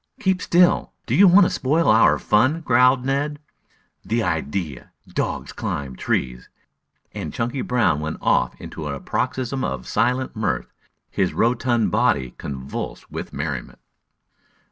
"Keep still! Do you want to spoil our fun?" growled Ned. "The idea! Dogs climb trees!" And Chunky Brown went off into a paroxysm of silent mirth, his rotund body convulsed with merriment.